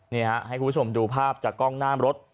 ให้คุณผู้ชมดูภาพจากกล้องหน้ารถ